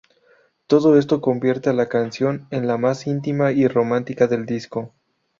Todo esto convierte a la canción en la más intima y romántica del disco.